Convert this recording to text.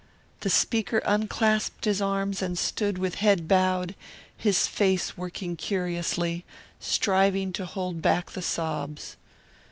The speaker unclasped his arms and stood with head bowed, his face working curiously, striving to hold back the sobs.